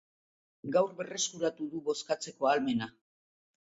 Gaur berreskuratu du bozkatzeko ahalmena.